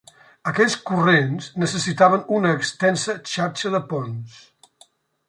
Aquells corrents necessitaven una extensa xarxa de ponts.